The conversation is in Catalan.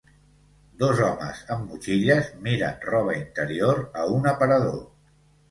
Dos homes amb motxilles miren roba interior a un aparador.